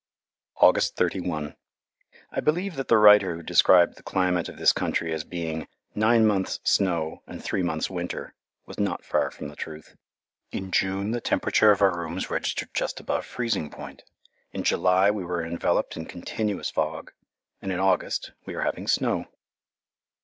August 31 I believe that the writer who described the climate of this country as being "nine months snow and three months winter" was not far from the truth. In June the temperature of our rooms registered just above freezing point, in July we were enveloped in continuous fog, and in August we are having snow.